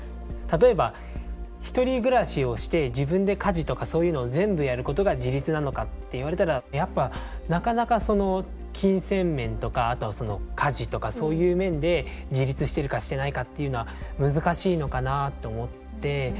例えば１人暮らしをして自分で家事とかそういうのを全部やることが自立なのかって言われたらやっぱなかなかその金銭面とかあとはその家事とかそういう面で自立してるかしてないかっていうのは難しいのかなと思って。